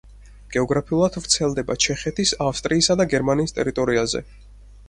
გეოგრაფიულად ვრცელდება ჩეხეთის, ავსტრიისა და გერმანიის ტერიტორიაზე.